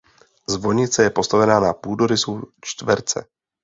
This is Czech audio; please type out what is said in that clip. Zvonice je postavena na půdorysu čtverce.